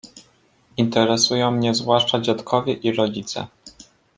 Interesują mnie zwłaszcza dziadkowie i rodzice.